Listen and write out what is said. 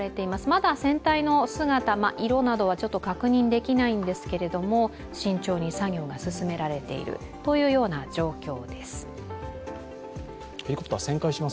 まだ船体の色などは確認できないんですが慎重に作業が進められているというような状況です。